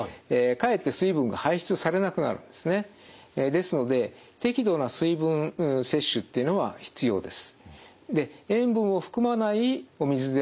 ですので適度な水分摂取っていうのは必要です。